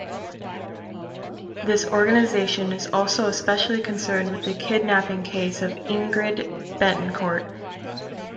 This organization is also especially concerned with the kidnapping case of Ingrid Betancourt.